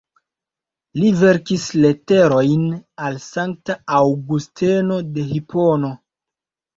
Li verkis leterojn al Sankta Aŭgusteno de Hipono.